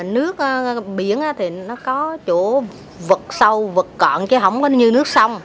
nước biển thì nó có chỗ vật sâu vật cọn chứ không như nước sông